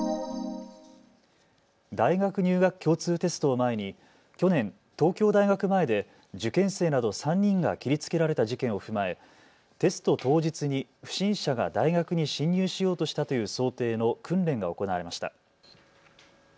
大学入学共通テストを前に去年、東京大学前で受験生など３人が切りつけられた事件を踏まえ、テスト当日に不審者が大学に侵入しようとしたという想定の訓練が行われました。